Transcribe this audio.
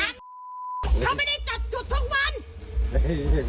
เขาไม่ได้จัดจุดทุกวัน